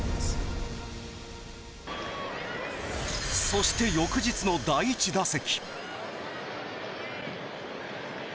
そして翌日の第１打席。